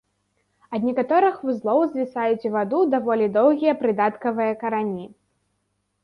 Ад некаторых вузлоў звісаюць у ваду даволі доўгія прыдаткавыя карані.